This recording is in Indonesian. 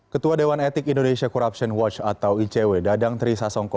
ketua dewan etik indonesia corruption watch atau icw dadang trisasongko